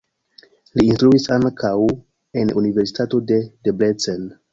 Li instruis ankaŭ en Universitato de Debrecen.